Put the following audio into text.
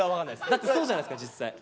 だってそうじゃないっすか実際。